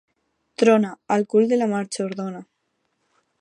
Trona! —Al cul de la majordona!